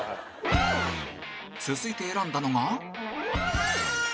続いて選んだのが